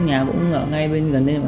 nhà cũng ngay bên gần đây